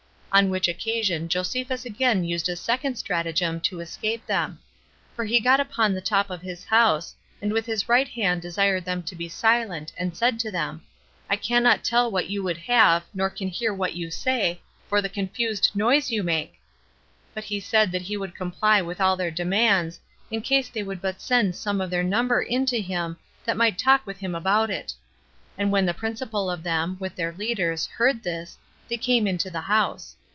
On which occasion Josephus again used a second stratagem to escape them; for he got upon the top of his house, and with his right hand desired them to be silent, and said to them, "I cannot tell what you would have, nor can hear what you say, for the confused noise you make;" but he said that he would comply with all their demands, in case they would but send some of their number in to him that might talk with him about it. And when the principal of them, with their leaders, heard this, they came into the house.